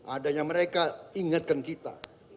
adanya mereka ingatkan kita